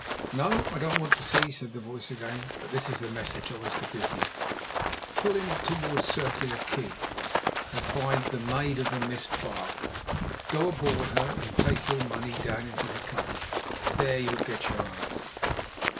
"No, I don't want to see," said the voice again. "But this is the message I was to give you. Pull in towards Circular Quay and find the Maid of the Mist barque. Go aboard her, and take your money down into the cuddy. There you'll get your answer."